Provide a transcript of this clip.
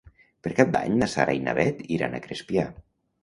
Per Cap d'Any na Sara i na Bet iran a Crespià.